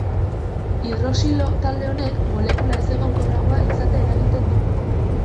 Hidroxilo talde honek molekula ezegonkorragoa izatea eragiten du.